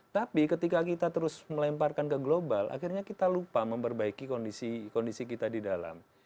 tapi ketika kita terus melemparkan ke global akhirnya kita lupa memperbaiki kondisi kita di dalam